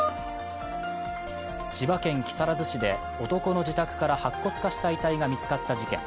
千葉県木更津市で男の自宅から白骨化した遺体が見つかった事件。